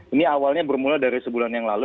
ini awalnya bermula dari sebulan yang lalu